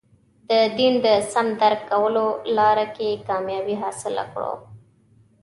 د دین د سم درک کولو لاره کې کامیابي حاصله کړو.